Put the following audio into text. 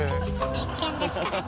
実験ですからね。